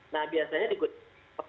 nah biasanya dikutip